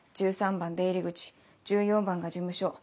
１３番出入口１４番が事務所。